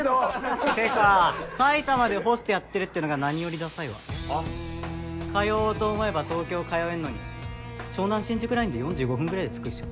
ってか埼玉でホストやってるっていうのが何よりダサいわ通おうと思えば東京通えんのに湘南新宿ラインで４５分ぐらいで着くっしょ